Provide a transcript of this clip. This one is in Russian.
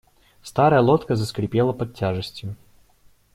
Старая лодка заскрипела под тяжестью.